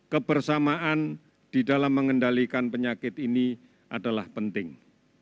kebersamaan di dalam mengendalikan penyakit ini adalah penting